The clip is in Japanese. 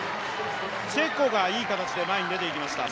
チェコがいい形で前に出てきました。